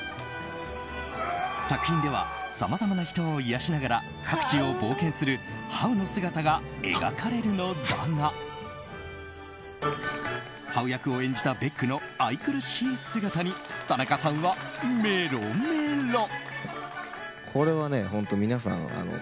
作品ではさまざまな人を癒やしながら各地を冒険するハウの姿が描かれるのだがハウ役を演じたベックの愛くるしい姿に田中さんはメロメロ！